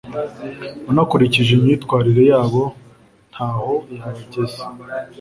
unakurikije imyitwarire yabo ntahoyabageza